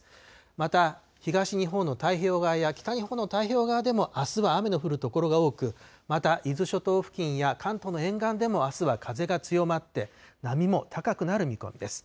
また、東日本の太平洋側や北日本の太平洋側でも、あすは雨の降る所が多く、また伊豆諸島付近や関東の沿岸でもあすは風が強まって、波も高くなる見込みです。